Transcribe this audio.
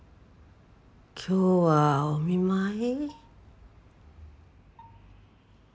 今日はお見舞い？